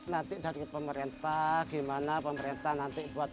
nanti dari pemerintah gimana pemerintah nanti buat